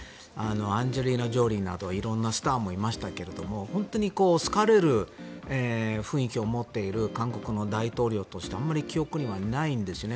アンジェリーナ・ジョリーなど色んなスターもいましたけど本当に好かれる雰囲気を持っている韓国の大統領としてあまり記憶にはないんですよね。